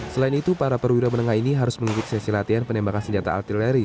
selain itu para perwira menengah ini harus mengikuti sesi latihan penembakan senjata artileri